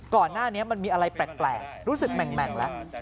ก่อนหน้านี้มันมีอะไรแปลกรู้สึกแหม่งแล้ว